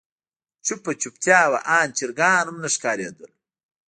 چوپه چوپتيا وه آن چرګان هم نه ښکارېدل.